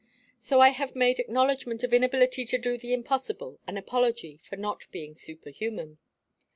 So I have made acknowledgment of inability to do the impossible, and apology for not being superhuman.